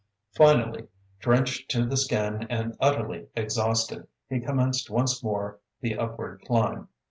Finally, drenched to the skin and utterly exhausted, he commenced once more the upward climb.